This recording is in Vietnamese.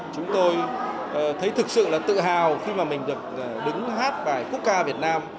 chúng tôi thấy thực sự là tự hào khi mà mình được đứng hát bài quốc ca việt nam